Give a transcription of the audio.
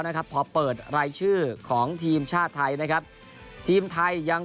นะครับพอเปิดรายชื่อของทีมชาติไทยนะครับทีมไทยยัง